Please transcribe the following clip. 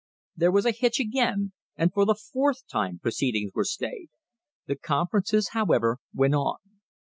There was a hitch again, and for the fourth time proceedings were stayed. The. conferences, however, went on.